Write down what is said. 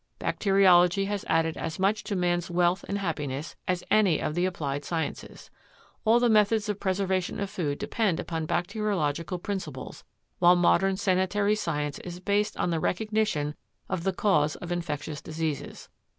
Bacteriology has added as much to man's wealth and happiness as any of the applied sciences. All the methods of preservation of food depend upon bacteriological principles, while modern sanitary science is based on the recognition of the cause of infectious diseases.